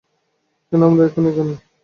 কেন আমরা এখন এখানে?